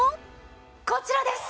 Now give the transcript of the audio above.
こちらです！